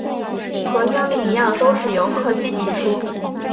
和应力一样都是由柯西提出。